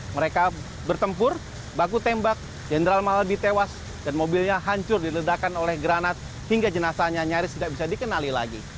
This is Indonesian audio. mereka bertempur baku tembak jenderal maladi tewas dan mobilnya hancur diledakan oleh granat hingga jenazahnya nyaris tidak bisa dikenali lagi